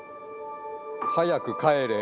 「早く帰レ」